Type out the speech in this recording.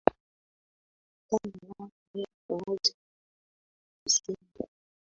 Tangu mwaka elfu moja mia nane tisini